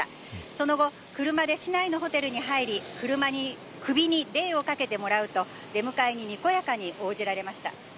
その後、車で市内のホテルに入り、首にレイをかけてもらうと、出迎えににこやかに応じられました。